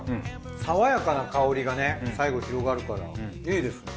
さわやかな香りがね最後広がるからいいですね。